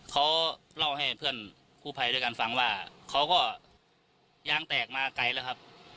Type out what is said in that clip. เขาเล่าให้เพื่อนคู่ภัยด้วยกันฟังว่าเขาก็ยางแตกมาไกลแล้วครับ